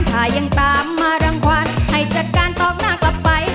ถ้ายังตามมารังควันให้จัดการตอกหน้ากลับไป